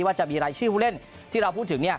ว่าจะมีรายชื่อผู้เล่นที่เราพูดถึง